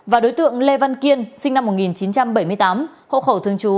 và đối tượng lê văn kiên sinh năm một nghìn chín trăm bảy mươi tám hậu khẩu thương chú